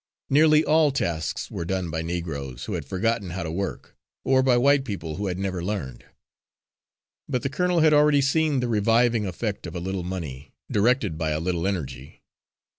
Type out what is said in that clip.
Nearly all tasks were done by Negroes who had forgotten how to work, or by white people who had never learned. But the colonel had already seen the reviving effect of a little money, directed by a little energy.